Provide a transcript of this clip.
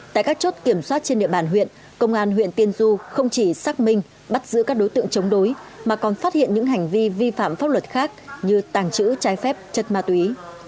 tại các chốt kiểm soát trên địa bàn huyện công an huyện tiên du không chỉ xác minh bắt giữ các đối tượng chống đối mà còn phát hiện những hành vi vi phạm pháp luật khác như tàng trữ trái phép chất ma túy